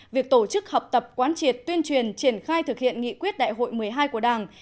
việc tổ chức học tập quán triệt tuyên truyền triển khai thực hiện nghị quyết đại hội một mươi hai của đảng